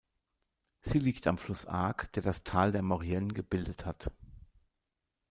Sie liegt am Fluss Arc, der das Tal der Maurienne gebildet hat.